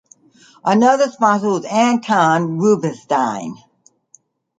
Another sponsor was Anton Rubinstein.